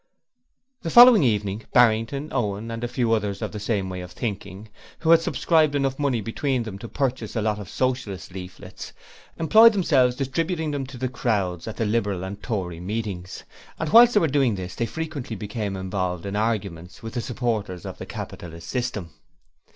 The following evening Barrington, Owen and a few others of the same way of thinking, who had subscribed enough money between them to purchase a lot of Socialist leaflets, employed themselves distributing them to the crowds at the Liberal and Tory meetings, and whilst they were doing this they frequently became involved in arguments with the supporters of the capitalist system.